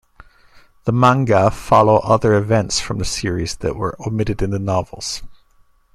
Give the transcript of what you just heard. The manga follow other events from the series that were omitted in the novels.